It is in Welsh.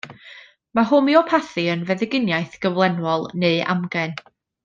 Mae homeopathi yn feddyginiaeth gyflenwol neu amgen.